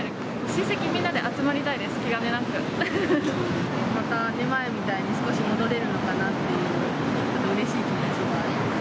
親戚みんなで集まりたいです、また前みたいに、少し戻れるのかなっていう、うれしい気持ちもあります。